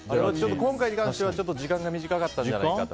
今回に関しては時間が短かったのではないかと。